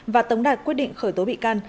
và tống đạt quyết định khởi tố bị can